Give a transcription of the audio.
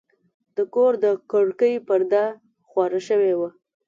د کور د کړکۍ پرده خواره شوې وه.